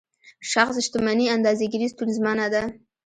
شخص شتمني اندازه ګیري ستونزمنه ده.